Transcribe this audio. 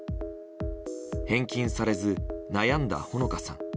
返金されず、悩んだ穂野香さん。